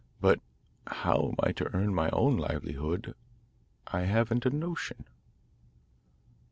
But how I am to earn my own livelihood I haven't a notion.